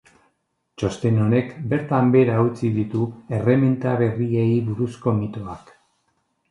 Txosten honek bertan behera utzi ditu erreminta berriei buruzko mitoak.